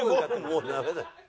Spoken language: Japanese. もうダメだ。